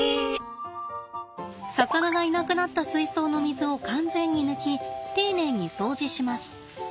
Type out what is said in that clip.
魚がいなくなった水槽の水を完全に抜き丁寧に掃除します。